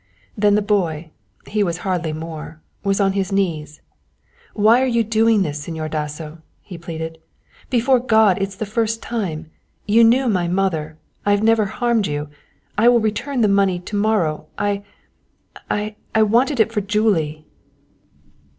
Then the boy he was hardly more was on his knees. "Why are you doing this, Señor Dasso?" he pleaded. "Before God it's the first time. You knew my mother I've never harmed you. I will return the money to morrow. I I wanted it for Julie."